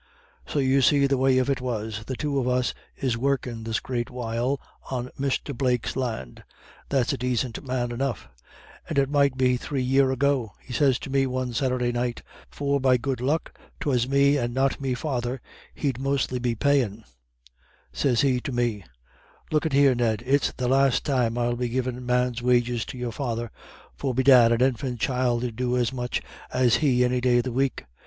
So you see the way of it was, the two of us is workin' this great while on Mr. Blake's lan', that's a dacint man enough; and it might be three year ago, he sez to me one Saturday night for be good luck 'twas me and not me father he'd mostly be payin' sez he to me, 'Look it here, Ned, it's the last time I'll be givin' man's wages to your father, for bedad an infant child 'ud do as much as he any day of the week.